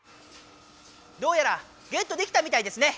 どうやらゲットできたみたいですね。